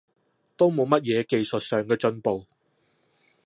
都冇乜嘢技術上嘅進步